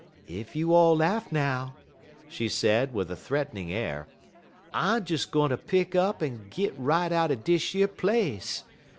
"Ef you all laugh, now," she said, with a threatening air, "I'm des gwine ter pick up en git right out er dish yer place.